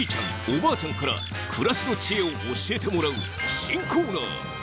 おばあちゃんから暮らしの知恵を教えてもらう新コーナー。